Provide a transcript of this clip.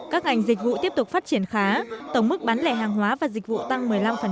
các ngành dịch vụ tiếp tục phát triển khá tổng mức bán lẻ hàng hóa và dịch vụ tăng một mươi năm